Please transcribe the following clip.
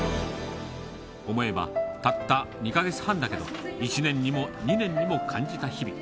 思えばたった２か月半だけど、１年にも２年にも感じた日々。